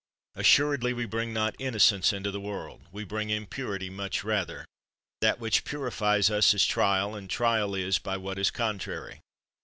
Assuredly we bring not innocence into the world, we bring impurity much rather ; that which purines us is trial, and trial is by what is contrary.